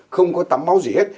không có tắm máu gì hết